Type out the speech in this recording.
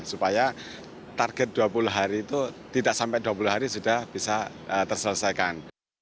supaya target dua puluh hari itu tidak sampai dua puluh hari sudah bisa terselesaikan